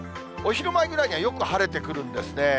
お昼前くらいからよく晴れてくるんですね。